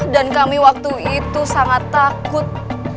dan kami waktu itu sangat takut